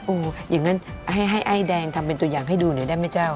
อย่างนั้นให้ไอ้แดงทำเป็นตัวอย่างให้ดูหน่อยได้ไหมเจ้า